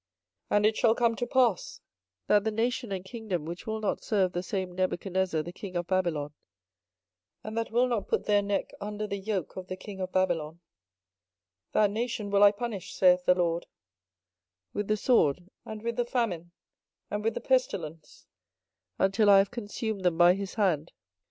24:027:008 And it shall come to pass, that the nation and kingdom which will not serve the same Nebuchadnezzar the king of Babylon, and that will not put their neck under the yoke of the king of Babylon, that nation will I punish, saith the LORD, with the sword, and with the famine, and with the pestilence, until I have consumed them by his hand.